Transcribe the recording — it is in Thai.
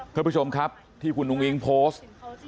คุณผู้ชมครับที่คุณอุ้งอิ๊งโพสต์